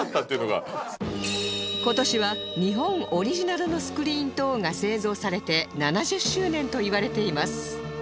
今年は日本オリジナルのスクリーントーンが製造されて７０周年といわれています